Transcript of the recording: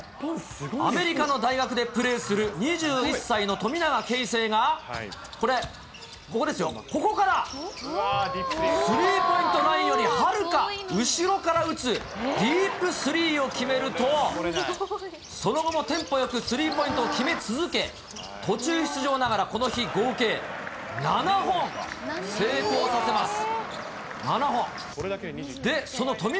アメリカの大学でプレーする２１歳の富永啓生が、これ、ここですよ、ここから、スリーポイントラインよりはるか後ろから打つディープスリーを決めると、その後もテンポよくスリーポイントを決め続け、途中出場ながら、この日、合計７本成功させます。